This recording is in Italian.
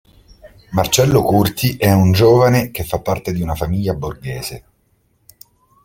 Marcello Curti è un giovane che fa parte di una famiglia borghese.